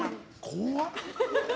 怖っ。